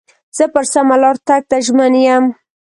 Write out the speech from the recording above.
زه پر سمه لار تګ ته ژمن یم.